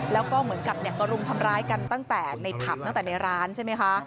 แล้วก็เหมือนกับก็รุมทำร้ายกันตั้งแต่ในผับตั้งแต่ในร้านใช่ไหมคะ